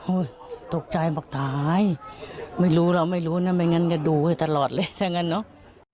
ตกใจบอกตายไม่รู้เราไม่รู้นะไม่งั้นจะดูไว้ตลอดเลยถ้างั้นเนาะ